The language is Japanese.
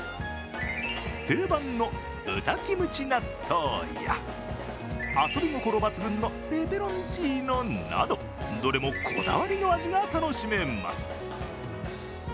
定番の豚キムチ納豆や遊び心抜群のペペロンチーノなどどれも、こだわりの味が楽しめます。